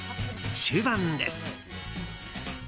終盤です。